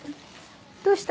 どうした？